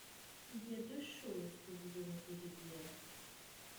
Il y a deux choses que vous omettez de dire.